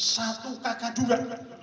satu kakak juga